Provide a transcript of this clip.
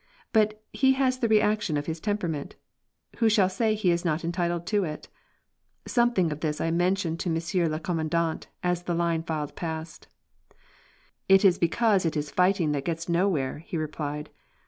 But he has the reaction of his temperament. Who shall say he is not entitled to it? Something of this I mentioned to Monsieur le Commandant as the line filed past. "It is because it is fighting that gets nowhere," he replied.